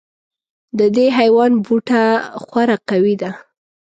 د دې حیوان بوټه خورا قوي دی.